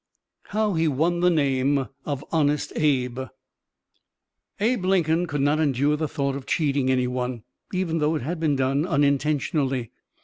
HOW HE WON THE NAME OF "HONEST ABE" Abe Lincoln could not endure the thought of cheating any one, even though it had been done unintentionally.